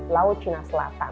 laut cina selatan